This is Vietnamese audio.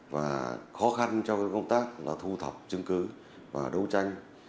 và khó khăn cho công tác là thu thập chứng cứ và đấu tranh